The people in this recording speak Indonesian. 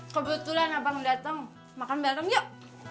kebetulan abang datang makan bareng yuk